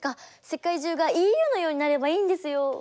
世界中がＥＵのようになればいいんですよ。